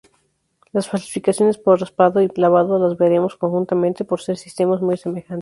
Las falsificaciones por raspado y lavado las veremos conjuntamente por ser sistemas muy semejantes.